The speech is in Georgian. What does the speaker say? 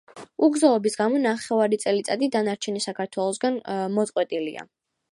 უგზოობის გამო ნახევარი წელიწადი დანარჩენი საქართველოსგან მოწყვეტილია.